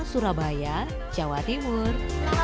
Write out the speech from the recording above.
surabaya jawa timur